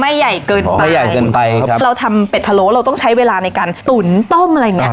ใหญ่เกินไปไม่ใหญ่เกินไปครับเราทำเป็ดพะโล้เราต้องใช้เวลาในการตุ๋นต้มอะไรอย่างเงี้